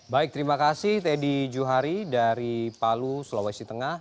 baik terima kasih teddy juhari dari palu sulawesi tengah